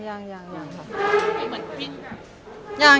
ไม่เหมือนกัน